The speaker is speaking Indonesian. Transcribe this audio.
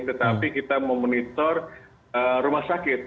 tetapi kita memonitor rumah sakit